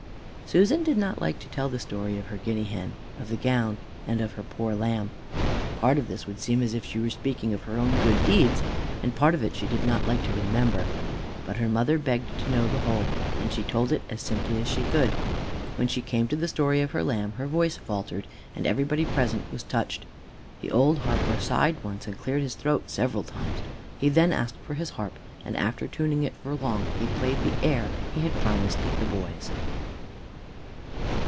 Susan did not like to tell the story of her guinea hen, of the gown, and of her poor lamb. Part of this would seem as if she were speaking of her own good deeds, and part of it she did not like to remember. But her mother begged to know the whole, and she told it as simply as she could. When she came to the story of her lamb, her voice faltered, and everybody present was touched. The old harper sighed once, and cleared his throat several times. He then asked for his harp, and after tuning it for long, he played the air he had promised to the boys.